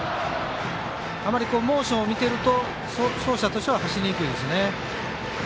あまり、モーションを見ていると走者としては走りにくいですよね。